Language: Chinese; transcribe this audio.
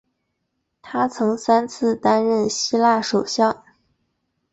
他曾三次担任希腊首相。